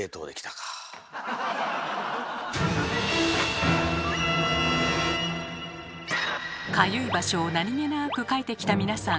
かゆい場所を何気なくかいてきた皆さん。